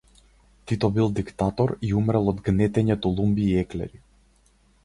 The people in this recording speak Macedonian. Тито бил диктатор и умрел од гнетење тулумби и еклери.